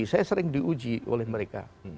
saya sering diuji oleh mereka